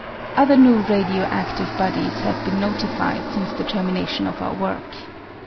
Other new radio adive bodies have been notified since the termination of our work. M.